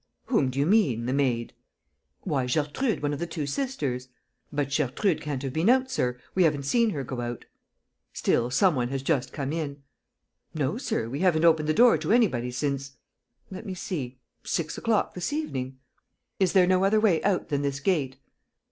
"Whom do you mean, the maid?" "Why, Gertrude, one of the two sisters." "But Gertrude can't have been out, sir. We haven't seen her go out." "Still some one has just come in." "No, sir, we haven't opened the door to anybody since let me see six o'clock this evening." "Is there no other way out than this gate?"